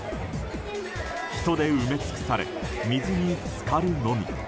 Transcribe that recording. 人で埋め尽くされ水に浸かるのみ。